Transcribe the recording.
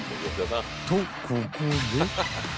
［とここで］